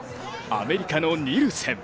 アメリカのニルセン。